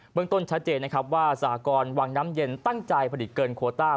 เมืองต้นชัดเจนนะครับว่าสหกรวังน้ำเย็นตั้งใจผลิตเกินโคต้า